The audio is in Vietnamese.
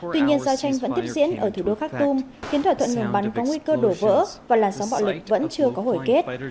tuy nhiên giao tranh vẫn tiếp diễn ở thủ đô khak tum khiến thỏa thuận ngừng bắn có nguy cơ đổ vỡ và làn sóng bạo lực vẫn chưa có hồi kết